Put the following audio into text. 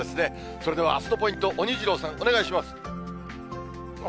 それではあすのポイント、おにジローさん、お願いします。